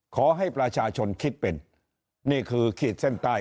ขอให้ประชาชนคิดเป็นนี่คือขีดเส้นใต้